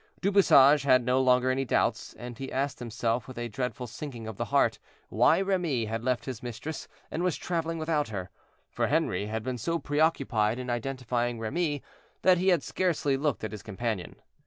Du Bouchage had no longer any doubts, and he asked himself, with a dreadful sinking of the heart, why Remy had left his mistress and was traveling without her; for Henri had been so occupied in identifying Remy, that he had scarcely looked at his companion.